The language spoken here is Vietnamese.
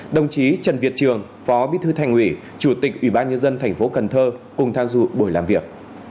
đồng chí trần việt trường phó bí thư thành ủy chủ tịch ủy ban nhân dân tp cần thơ cùng tham dụ buổi làm việc